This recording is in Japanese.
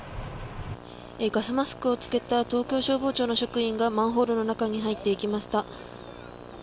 ガスマスクをつけた東京消防庁の職員がマンホールの中に入っていきました。